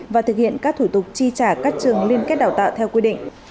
và thực hiện các thủ tục chi trả các trường liên kết đào tạo theo quy định